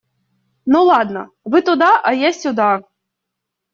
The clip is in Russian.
Ну ладно, вы туда, а я сюда.